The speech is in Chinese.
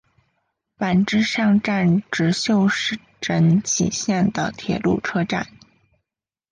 坂之上站指宿枕崎线的铁路车站。